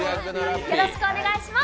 よろしくお願いします。